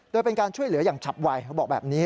โดยเป็นการช่วยเหลืออย่างฉับไวเขาบอกแบบนี้